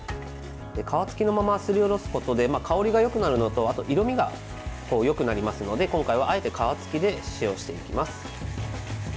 皮つきのまますりおろすことで香りがよくなるのとあと色味がよくなりますので今回はあえて皮つきで使用していきます。